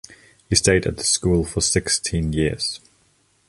He stayed at the school for sixteen years.